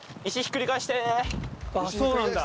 あっそうなんだ。